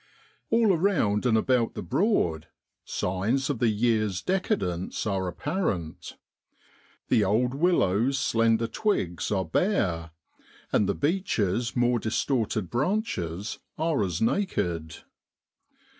All around and about the Broad signs of the year's decadence are apparent. The old willow's slender twigs are bare, and the beeches' more distorted branches are as naked.